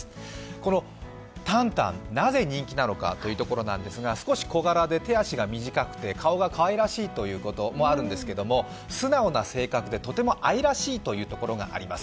このタンタン、なぜ人気なのかというところですが少し小柄で手足が短くて顔がかわいらしいということもあるんですけど素直な性格で、とても愛らしいというところがあります。